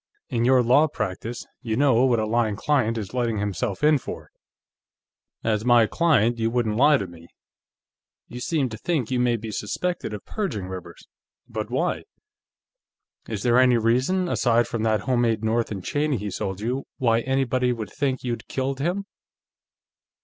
"In your law practice, you know what a lying client is letting himself in for. As my client, you wouldn't lie to me. You seem to think you may be suspected of purging Rivers. But why? Is there any reason, aside from that homemade North & Cheney he sold you, why anybody would think you'd killed him?"